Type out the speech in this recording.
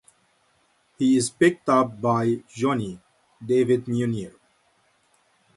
He is picked up by Johnny (David Meunier).